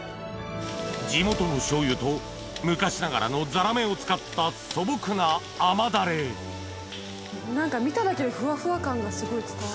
地元の醤油と昔ながらのザラメを使った素朴な甘ダレ何か見ただけでフワフワ感がすごい伝わる。